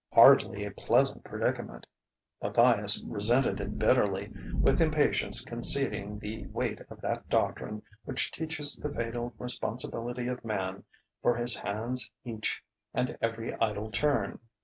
Hardly a pleasant predicament: Matthias resented it bitterly, with impatience conceding the weight of that doctrine which teaches the fatal responsibility of man for his hand's each and every idle turn.